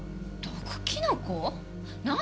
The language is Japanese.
毒キノコ？何？